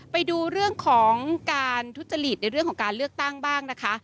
ไปดูเรื่องของการทุจริตในเรื่องของการเลือกตั้งบ้างนะคะ